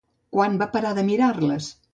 Quan va parar de mirar-les?